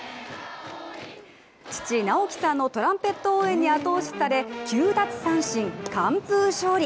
父・直樹さんのトランペット応援に後押しされ９奪三振、完封勝利。